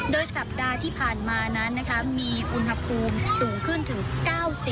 โดยศัพทานที่ผ่านมานั้นนะคะมีอุณหภูมิสูงขึ้นถึง๙๐องศาเฟรนไฮ